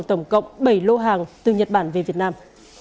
tổng cộng bảy lô hàng từ nhật bản về việt nam